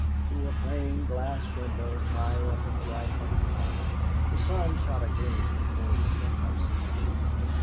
Through a plain glass window high up in the right hand aisle the sun shot a gleam athwart the Pendyces' pew.